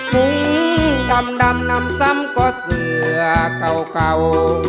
หุ้ยดำดำดำซ้ำก็เสือเข่าเข่า